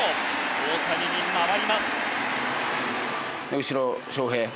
大谷に回ります。